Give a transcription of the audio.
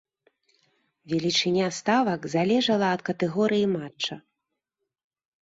Велічыня ставак залежала ад катэгорыі матча.